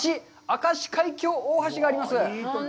明石海峡大橋があります。